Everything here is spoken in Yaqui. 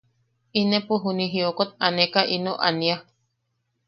Inepo juni jiokot aneka ino ania?